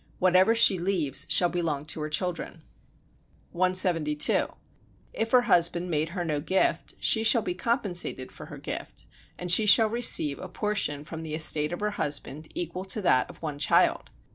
Whatever she leaves shall belong to her children. 172. If her husband made her no gift, she shall be compensated for her gift, and she shall receive a portion from the estate of her husband, equal to that of one child.